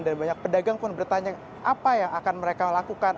banyak pedagang pun bertanya apa yang akan mereka lakukan